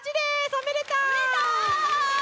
おめでとう！